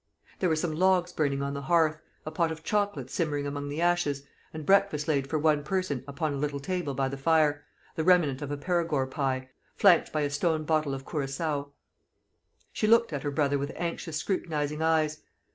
There were some logs burning on the hearth, a pot of chocolate simmering among the ashes, and breakfast laid for one person upon a little table by the fire the remnant of a perigord pie, flanked by a stone bottle of curaçoa. She looked at her brother with anxious scrutinising eyes.